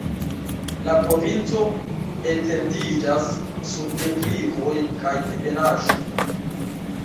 La provinco etendiĝas sur deklivoj kaj ebenaĵo.